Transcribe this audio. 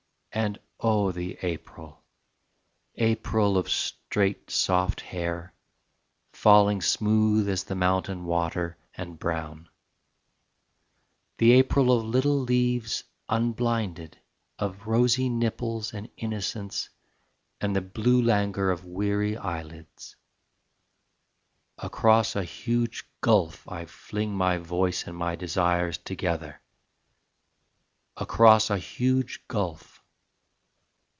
And oh the April, April of straight soft hair, Falling smooth as the mountain water and brown; The April of little leaves unblinded, Of rosy nipples and innocence And the blue languor of weary eyelids. Across a huge gulf I fling my voice And my desires together: Across a huge gulf